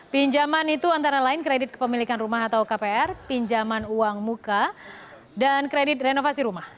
pinjaman itu antara lain kredit kepemilikan rumah atau kpr pinjaman uang muka dan kredit renovasi rumah